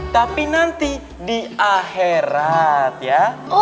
tapi nanti di akhirat ya